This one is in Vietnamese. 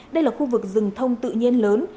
đây là khu vực rừng thông tự nhiên lớn